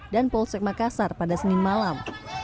dan polsek makassar pada senin malam